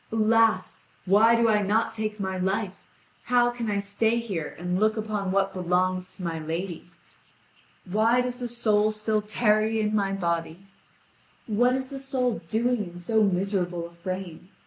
Alas! why do I not take my life? How can I stay here and look upon what belongs to my lady? Why does the soul still tarry in my body? What is the soul doing in so miserable a frame?